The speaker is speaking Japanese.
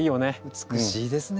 美しいですね。